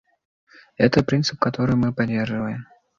Это принцип, который мы поддерживаем.